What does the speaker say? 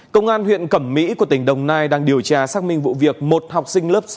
công an huyện cẩm mỹ của tỉnh đồng nai đang điều tra xác minh vụ việc một học sinh lớp sáu